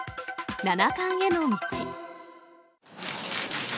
七冠への道。